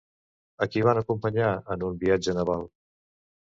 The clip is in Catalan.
A qui van acompanyar en un viatge naval?